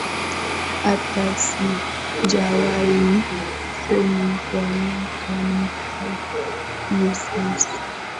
Hata sijawahi soma kwa miaka mitano sasa